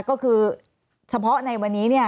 ก็คือเฉพาะในวันนี้เนี่ย